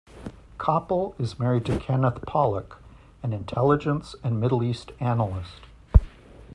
Koppel is married to Kenneth Pollack, an intelligence and Middle East analyst.